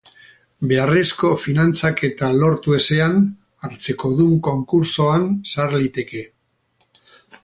Beharrezko finantzaketa lortu ezean, hartzekodun konkurtsoan sar liteke.